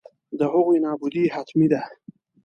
د هغوی نابودي حتمي ده.